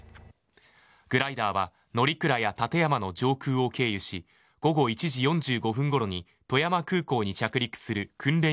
グライダーは乗鞍や立山の上空を経由し午後１時４５分ごろに富山空港に着陸する訓練